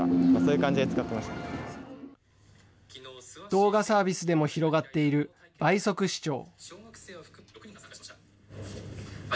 動画サービスでも広がっている、倍速視聴。